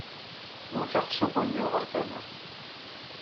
Wteɣ-t s ubunyiw ɣer tamart.